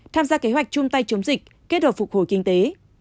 tham gia kế hoạch chung tay chống dịch kết hợp phục hồi kinh tế